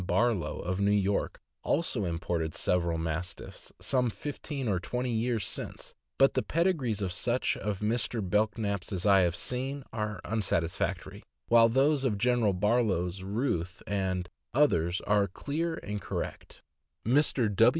Barlow, of New York, also imported several Mastiffs some fifteen or twenty years since; but the pedigrees of such of Mr. Belknap' s as I have seen are unsatisfactory, while those of General Barlow's Ruth and others are clear and correct. Mr.